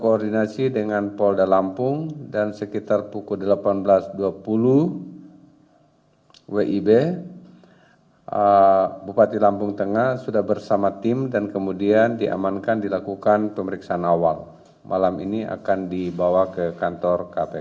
hari ini tanggal lima belas februari sekitar pukul lima belas waktu indonesia bagian barat di bandar lampung kpk juga mengamankan ajudan bupati